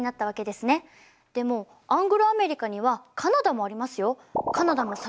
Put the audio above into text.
でもアングロアメリカにはカナダもありますよ。